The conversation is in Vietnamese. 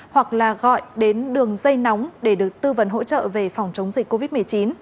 hoặc là gọi đến đường dây nóng để được tư vấn hỗ trợ về phòng chống dịch covid một mươi chín